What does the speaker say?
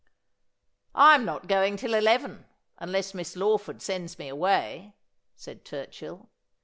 ' I am not going till eleven, unless Miss Lawford sends me away,' said Turchill.